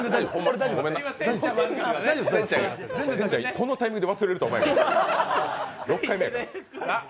このタイミングで忘れるとは思わなかった。